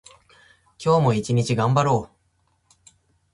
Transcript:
今日も一日頑張ろう。